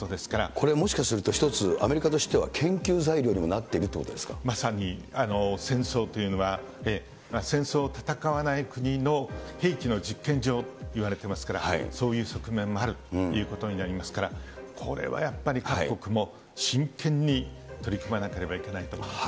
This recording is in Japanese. これはもしかしたらひとつ、アメリカとしては研究材料にもなまさに戦争というのは、戦争を戦わない国の兵器の実験場といわれていますから、そういう側面もあるということになりますから、これはやっぱり各国も真剣に取り組まなければいけないと思います。